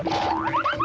terus pak terus